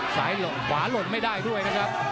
ซ้ายหล่นขวาหล่นไม่ได้ด้วยนะครับ